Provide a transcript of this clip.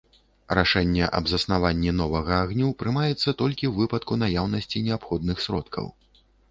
Рашэнне аб заснаванні новага агню прымаецца толькі ў выпадку наяўнасці неабходных сродкаў.